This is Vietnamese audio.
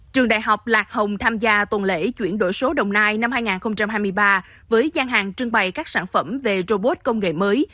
trường đại học lạc hồng tham gia tuần lễ chuyển đổi số đồng nai năm hai nghìn hai mươi ba với gian hàng trưng bày các sản phẩm về robot công nghệ mới